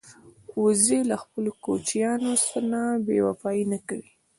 وزې له خپلو کوچنیانو نه بېوفايي نه کوي